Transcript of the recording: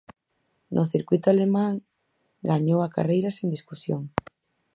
No circuíto alemán gañou a carreira sen discusión.